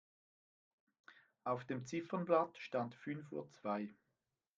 Auf dem Ziffernblatt stand fünf Uhr zwei.